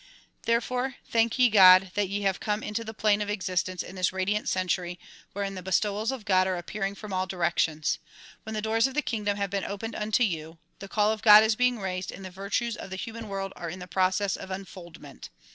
Therefore thank ye God that ye have come into the plane of existence in this radiant century wherein the bestowals of God are appearing from all directions, when the doors of the kingdom have been opened unto you, the call of God is being raised and the vir tues of the human world are in the process of unfoldment.